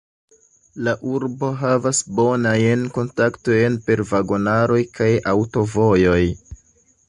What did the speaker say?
La urbo havas bonajn kontaktojn per vagonaroj kaj aŭtovojoj.